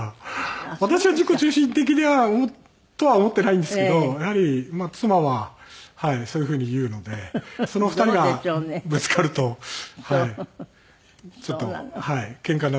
私は自己中心的だとは思ってないんですけどやはり妻はそういう風に言うのでその２人がぶつかるとちょっとけんかになって。